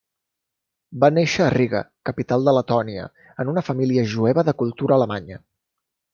Va néixer a Riga, capital de Letònia, en una família jueva de cultura alemanya.